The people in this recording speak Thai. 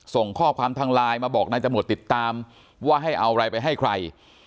ส่งข้อความทางไลน์มาบอกนายตำรวจติดตามว่าให้เอาอะไรไปให้ใคร